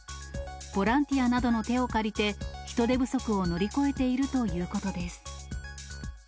ボランティアなどの手を借りて、人手不足を乗り越えているということです。